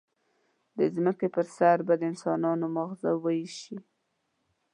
د ځمکې پر سر به د انسانانو ماغزه وایشي.